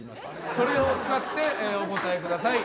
それを使ってお答えください。